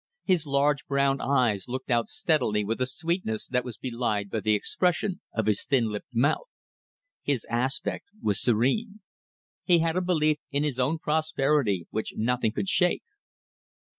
His large brown eyes looked out steadily with a sweetness that was belied by the expression of his thin lipped mouth. His aspect was serene. He had a belief in his own prosperity which nothing could shake.